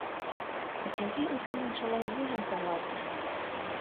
Качырий уке маншыла вуйжым савалтыш.